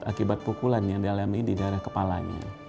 akibat pukulan yang dialami di daerah kepalanya